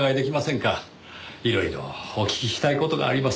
いろいろお聞きしたい事があります。